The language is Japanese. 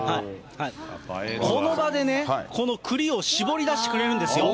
この場でね、このくりをしぼり出してくれるんですよ。